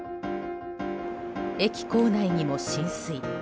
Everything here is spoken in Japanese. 駅構内にも浸水。